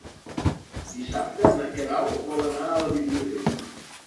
Dissabte na Queralt vol anar a la biblioteca.